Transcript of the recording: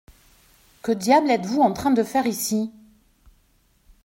Que diable êtes-vous en train de faire ici ?